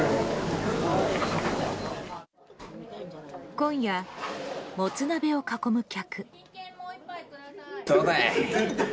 今夜、もつ鍋を囲む客。